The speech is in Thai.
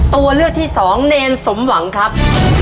ตัวเลือกที่สองเนรสมหวังครับ